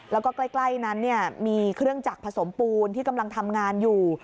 แล้วก็ใกล้นั้นมีเครื่องจักรผสมปูนที่กำลังทำงานอยู่